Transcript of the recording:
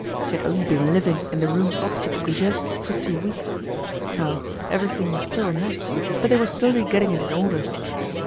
She had only been living in the rooms opposite the Goujets for two weeks. Oh! everything was still a mess, but they were slowly getting it in order.